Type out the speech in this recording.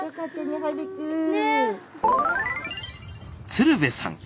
鶴瓶さん